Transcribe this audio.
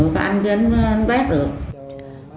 có anh thì anh bác được